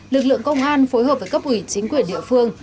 lực lượng công an phối hợp với cấp ủy chính quyền địa phương